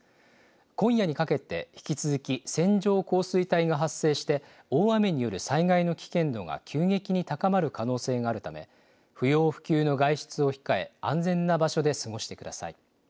今夜にかけて引き続き線状降水帯が発生して、大雨による災害の危険度が急激に高まる可能性があるため、不要不急の外出を控え、安全な場所で過ごしてください。